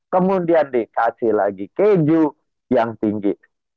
kemudian dikasih lagi keju yang tinggi